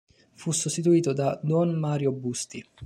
Fu sostituito da don Mario Busti.